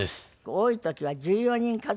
多い時は１４人家族？